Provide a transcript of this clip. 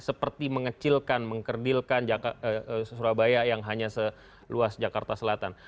seperti mengecilkan mengkerdilkan surabaya yang hanya seluas jakarta selatan